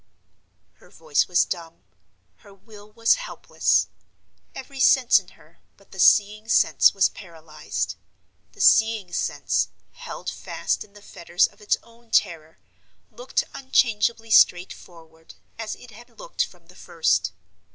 Her voice was dumb, her will was helpless. Every sense in her but the seeing sense was paralyzed. The seeing sense—held fast in the fetters of its own terror—looked unchangeably straightforward, as it had looked from the first.